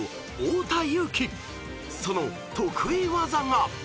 ［その得意技が］